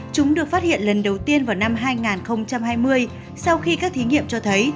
chúng được phát hiện lần đầu tiên vào năm hai nghìn hai mươi sau khi các thí nghiệm cho thấy